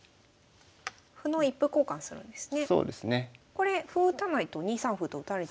これ歩打たないと２三歩と打たれちゃうので。